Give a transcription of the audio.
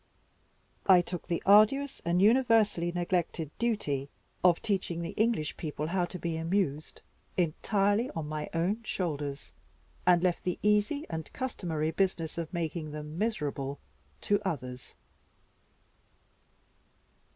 I took the arduous and universally neglected duty of teaching the English people how to be amused entirely on my own shoulders, and left the easy and customary business of making them miserable to others.